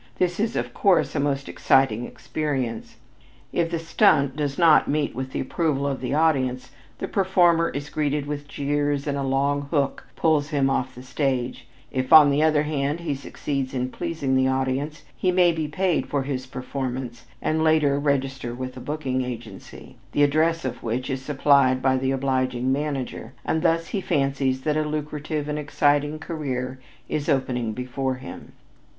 This is, of course, a most exciting experience. If the "stunt" does not meet with the approval of the audience, the performer is greeted with jeers and a long hook pulls him off the stage; if, on the other hand, he succeeds in pleasing the audience, he may be paid for his performance and later register with a booking agency, the address of which is supplied by the obliging manager, and thus he fancies that a lucrative and exciting career is opening before him.